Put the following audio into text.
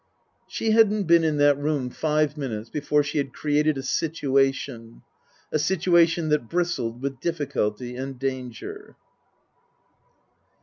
She hadn't been in that room five minutes before she had created a situation ; a situation that bristled with difficulty and danger.